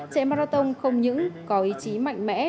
trẻ marathon không những có ý chí mạnh mẽ